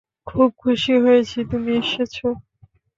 খুব খুশি হয়েছি তুমি এসেছ!